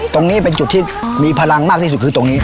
ตรงนี้เป็นจุดที่มีพลังมากที่สุดคือตรงนี้